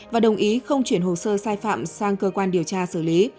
và đồng ý không chuyển hồ sơ sai phạm sang cơ quan điều tra xử lý